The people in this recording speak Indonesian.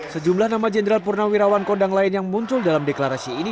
sejumlah nama jenderal purnawirawan kondang lain yang muncul dalam deklarasi ini